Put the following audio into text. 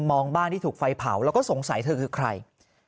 มองบ้านที่ถูกไฟเผาแล้วก็สงสัยเธอคือใคร